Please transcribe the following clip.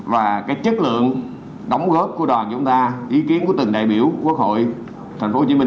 và cái chất lượng đóng góp của đoàn chúng ta ý kiến của từng đại biểu quốc hội thành phố hồ chí minh